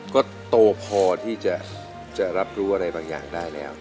ก็โตพอที่จะรับรู้อะไรบางอย่างได้แล้ว